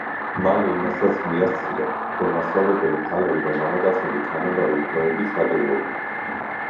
მალე იმასაც მიაღწია, რომ მასწავლებელი ქალები და მამაკაცები თანაბარი უფლებებით სარგებლობდნენ.